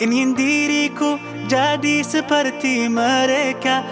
ingin diriku jadi seperti mereka